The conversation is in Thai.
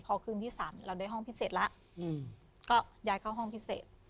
พอคืนที่๓เราได้ห้องพิเศษแล้วก็ย้ายเข้าห้องพิเศษ